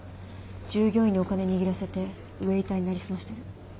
従業員にお金握らせてウエーターに成り済ましてる。